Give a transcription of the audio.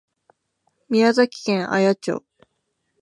宮崎県綾町